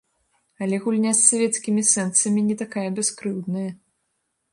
Але гульня з савецкімі сэнсамі не такая бяскрыўдная.